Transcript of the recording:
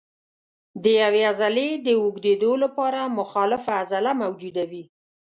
د یوې عضلې د اوږدېدو لپاره مخالفه عضله موجوده وي.